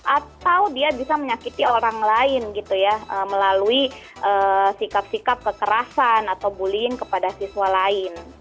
atau dia bisa menyakiti orang lain gitu ya melalui sikap sikap kekerasan atau bullying kepada siswa lain